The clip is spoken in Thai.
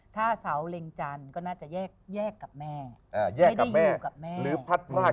ถ้าเสาเล็งจันทร์ก็น่าจะแยกแยกกับแม่แยกกับแม่กับแม่หรือพัดพราก